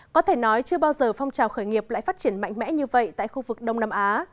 có thể nói chưa bao giờ phong trào khởi nghiệp lại phát triển mạnh mẽ như vậy tại khu vực đông nam á